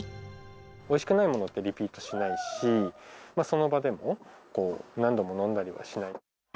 おいしくないものって、リピートしないし、その場でも何度も飲んだりはしない。